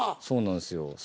そうなんですよ。